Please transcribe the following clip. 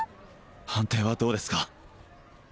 判定はどうですか？